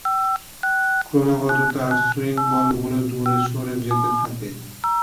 ক্রমাগত তার সুইং বলগুলো দূরে সরে যেতে থাকে।